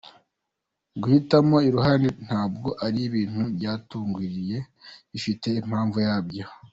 Guhitamo i Ruhande ntabwo ari ibintu byatugwiririye, bifite impamvu yabyo.